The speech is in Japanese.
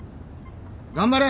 頑張れ！